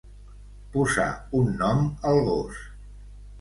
Posar un nom al gos.